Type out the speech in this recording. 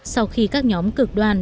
sau khi các nhóm cực đoan